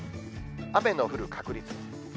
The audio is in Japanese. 雨の降る確率。